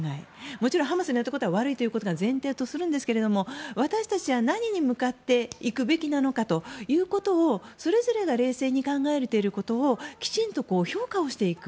もちろんハマスのやっていることは悪いということを前提とするんですが私たちは何に向かっていくべきなのかということをそれぞれが冷静に考えていることをきちんと評価していく。